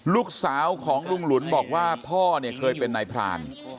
ลูกสาวของลุงหลุนบอกว่าพ่อเนี่ยเคยเป็นนายพราน